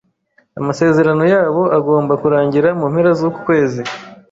Amasezerano yabo agomba kurangira mu mpera zuku kwezi.